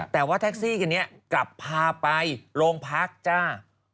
แต่ว่าแท็กซี่คันนี้กลับพาไปโรงพักจ้า